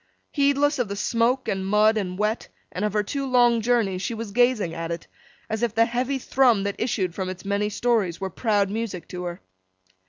Heedless of the smoke and mud and wet, and of her two long journeys, she was gazing at it, as if the heavy thrum that issued from its many stories were proud music to her.